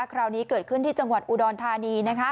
คราวนี้เกิดขึ้นที่จังหวัดอุดรธานี